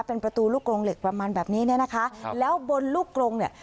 เป็นประตูลูกกรงเหล็กประมาณแบบนี้เนี่ยนะคะแล้วบนลูกกรงเนี่ย